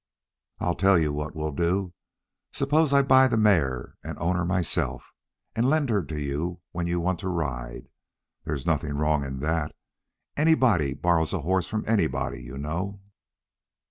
"I'll tell you what we'll do. Suppose I buy the mare and own her myself, and lend her to you when you want to ride. There's nothing wrong in that. Anybody borrows a horse from anybody, you know."